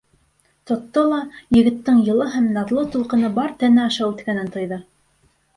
Тотто ла... егеттең йылы һәм наҙлы тулҡыны бар тәне аша үткәнен тойҙо.